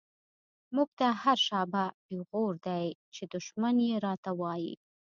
مونږ ته هر “شابه” پیغور دۍ، چی دشمن یی راته وایی